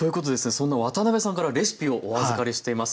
そんな渡辺さんからレシピをお預かりしています。